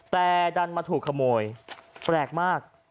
แต่ดันมาถูกขโมยแปลกมาก